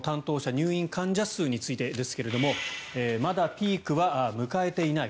入院患者数についてですがまだピークは迎えていない。